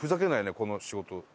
この仕事。